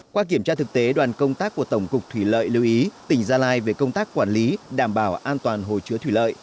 qua kiểm tra thực tế đoàn công tác của tổng cục thủy lợi lưu ý tỉnh gia lai về công tác quản lý đảm bảo an toàn hồ chứa thủy lợi